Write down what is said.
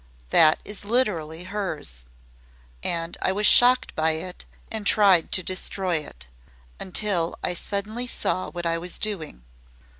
That is literally hers. And I was shocked by it and tried to destroy it, until I suddenly saw what I was doing.